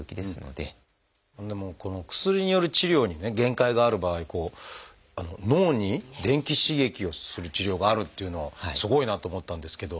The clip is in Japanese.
でもこの薬による治療に限界がある場合脳に電気刺激をする治療があるというのはすごいなあと思ったんですけど。